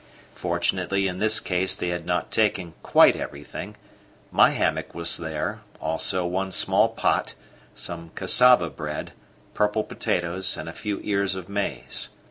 Fortunately in this case they had not taken quite everything; my hammock was there, also one small pot, some cassava bread, purple potatoes, and a few ears of maize.